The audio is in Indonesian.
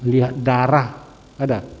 lihat darah ada